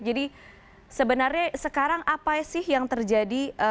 jadi sebenarnya sekarang apa sih yang terjadi